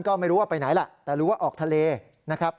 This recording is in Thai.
ก็ไม่รู้ว่าไปไหนล่ะแต่รู้ว่าออกทะเลนะครับ